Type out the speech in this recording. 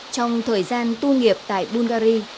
trong thời gian tu nghiệp tại bulgari